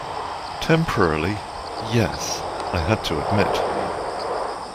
"Temporarily, yes," I had to admit.